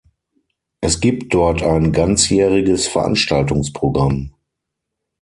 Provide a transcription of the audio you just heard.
Es gibt dort ein ganzjähriges Veranstaltungsprogramm.